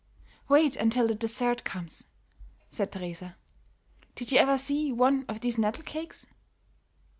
"Wait until the dessert comes," said Teresa. "Did you ever see one of these nettle cakes?"